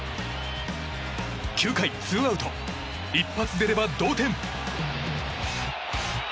９回ツーアウト一発出れば同点。